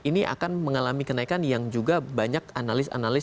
ini akan mengalami kenaikan yang juga banyak analis analis